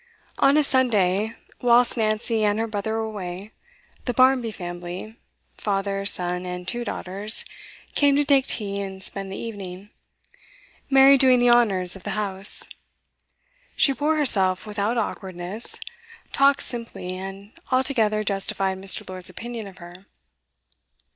On a Sunday, whilst Nancy and her brother were away, the Barmby family father, son, and two daughters came to take tea and spend the evening, Mary doing the honours of the house; she bore herself without awkwardness, talked simply, and altogether justified Mr. Lord's opinion of her.